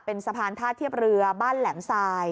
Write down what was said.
เป็นสะพานท่าเทียบเรือบ้านแหลมทราย